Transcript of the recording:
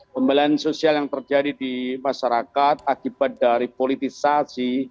pembelahan sosial yang terjadi di masyarakat akibat dari politisasi